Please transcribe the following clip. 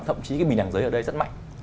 thậm chí cái bình đẳng giới ở đây rất mạnh